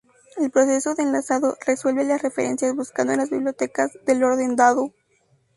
El proceso de enlazado resuelve las referencias buscando en las bibliotecas del orden dado.